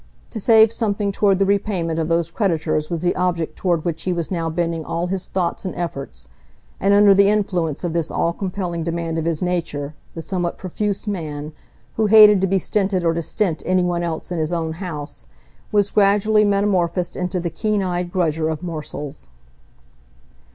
To save something toward the repayment of those creditors was the object toward which he was now bending all his thoughts and efforts; and under the influence of this all compelling demand of his nature, the somewhat profuse man, who hated to be stinted or to stint any one else in his own house, was gradually metamorphosed into the keen eyed grudger of morsels.